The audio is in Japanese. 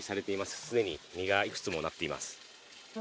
既に実がいくつもなっています。